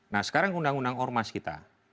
nah sekarang undang undang ormas kita